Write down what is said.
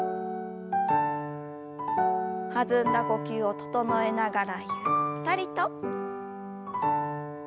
弾んだ呼吸を整えながらゆったりと。